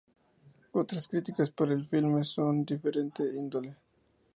Otras críticas para el filme son de diferente índole.